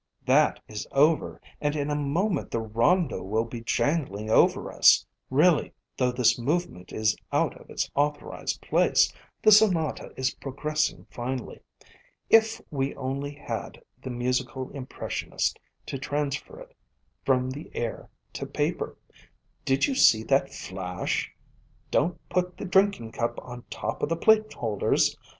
"That is over, and in a moment the Rondo will be jangling over us. Really, though this movement is out of its authorized place, the Sonata is progressing finely. If we only had the musical impressionist to transfer it from the air to paper! Did you see that flash? Don't put the drinking cup on top of the plate holders